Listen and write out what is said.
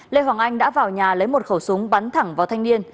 lê hoàng anh đã vào nhà lấy một khẩu súng bắn thẳng vào thanh niên